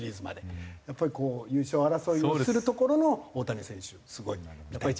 やっぱり優勝争いをするところの大谷選手をすごい見たい。